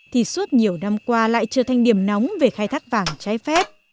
thì suốt nhiều năm qua lại trở thành điểm nóng về khai thác vàng trái phép